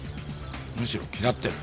むしろ嫌ってる。